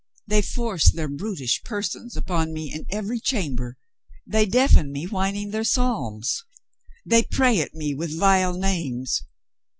They force their brutish persons upon me in every chamber. They deafen me whining their psalms. They pray at me with vile names.